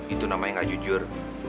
itu namanya nggak jujur